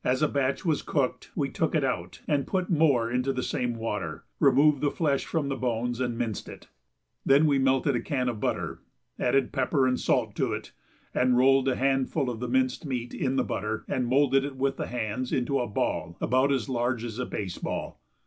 As a batch was cooked we took it out and put more into the same water, removed the flesh from the bones, and minced it. Then we melted a can of butter, added pepper and salt to it, and rolled a handful of the minced meat in the butter and moulded it with the hands into a ball about as large as a baseball.